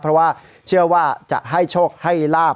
เพราะว่าเชื่อว่าจะให้โชคให้ลาบ